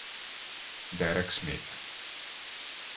Derek Smith